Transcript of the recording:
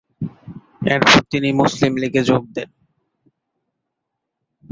এরপর তিনি মুসলিম লীগে যোগ দেন।